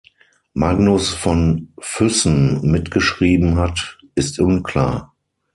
Magnus von Füssen mitgeschrieben hat, ist unklar.